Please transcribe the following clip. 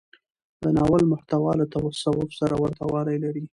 د ناول محتوا له تصوف سره ورته والی لري.